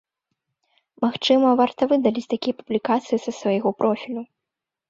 Магчыма, варта выдаліць такія публікацыі са свайго профілю.